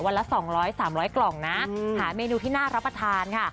ละ๒๐๐๓๐๐กล่องนะหาเมนูที่น่ารับประทานค่ะ